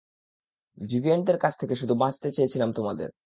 ডিভিয়েন্টদের কাছ থেকে শুধু বাঁচাতে চেয়েছিলাম তোমাদের।